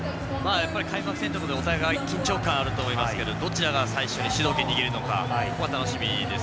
やっぱり開幕戦ということでお互いに緊張感があると思いますがどちらが最初に主導権を握るか楽しみです。